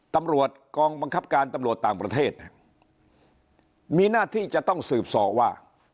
ตำรวจกองบังคับการตำรวจต่างประเทศมีหน้าที่จะต้องสืบสอว่า